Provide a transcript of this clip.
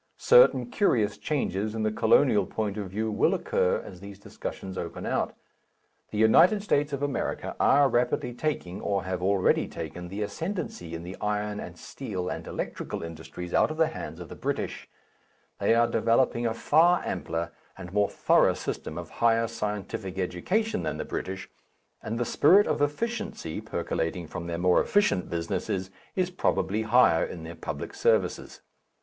Certain curious changes in the colonial point of view will occur as these discussions open out. The United States of America are rapidly taking, or have already taken, the ascendency in the iron and steel and electrical industries out of the hands of the British; they are developing a far ampler and more thorough system of higher scientific education than the British, and the spirit of efficiency percolating from their more efficient businesses is probably higher in their public services.